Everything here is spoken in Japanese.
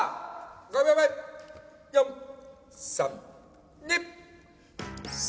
５秒前４３２。